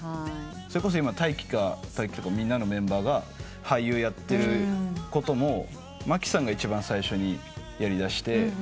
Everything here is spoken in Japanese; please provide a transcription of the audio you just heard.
それこそ今大樹とかメンバーが俳優やってることもマキさんが一番最初にやりだして。